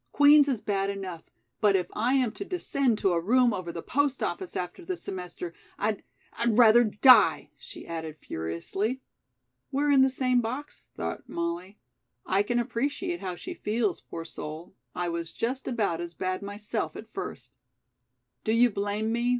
"Queen's is bad enough, but if I am to descend to a room over the post office after this semester, I'd I'd rather die!" she added furiously. "We're in the same box," thought Molly. "I can appreciate how she feels, poor soul. I was just about as bad myself at first." "Do you blame me?"